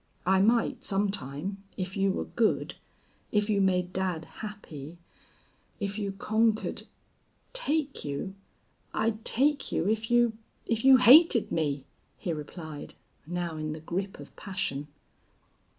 I might some time, if you were good if you made dad happy if you conquered " "Take you! I'd take you if you if you hated me," he replied, now in the grip of passion.